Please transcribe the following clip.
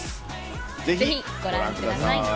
ぜひご覧ください。